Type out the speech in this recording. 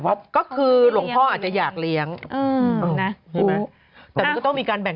ไม่เป็นไรยังไงก็อยู่ได้แม่